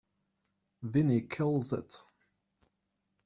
Vinnie kills it!